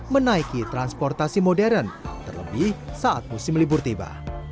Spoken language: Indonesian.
menaiki transportasi modern terlebih saat musim libur tiba